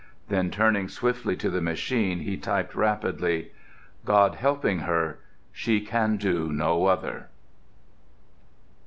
Then, turning swiftly to the machine, he typed rapidly: "God helping her, she can do no other."